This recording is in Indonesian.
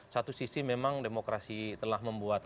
satu sisi memang demokrasi telah membuat